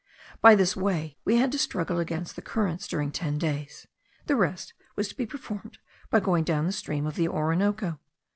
By this way we had to struggle against the currents during ten days; the rest was to be performed by going down the stream of the Orinoco.